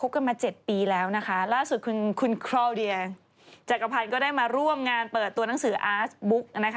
คบกันมา๗ปีแล้วนะคะล่าสุดคุณครอเดียจักรพันธ์ก็ได้มาร่วมงานเปิดตัวหนังสืออาสบุ๊กนะคะ